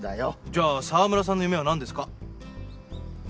じゃあ澤村さんの夢はなんですか？